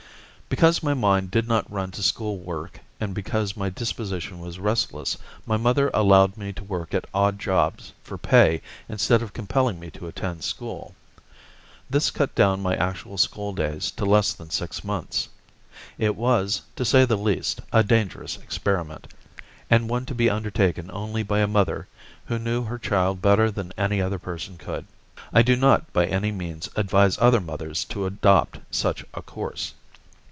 Because my mind did not run to school work and because my disposition was restless, my mother allowed me to work at odd jobs for pay instead of compelling me to attend school. This cut down my actual school days to less than six months. It was, to say the least, a dangerous experiment, and one to be undertaken only by a mother who knew her child better than any other person could. I do not by any means advise other mothers to adopt such a course.